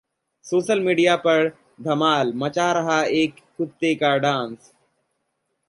social media पर धमाल मचा रहा एक कुत्ते का डांस